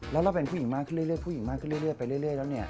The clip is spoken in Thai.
แล้วเราเป็นผู้หญิงมากขึ้นเรื่อยไปเรื่อยแล้ว